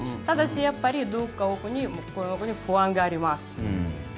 ただし、やっぱりどこかに不安があります。